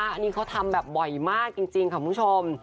อันนี้เขาทำแบบบ่อยมากจริงค่ะคุณผู้ชม